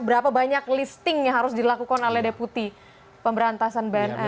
berapa banyak listing yang harus dilakukan oleh deputi pemberantasan bnn